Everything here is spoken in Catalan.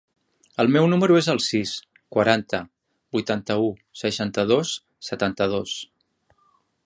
El meu número es el sis, quaranta, vuitanta-u, seixanta-dos, setanta-dos.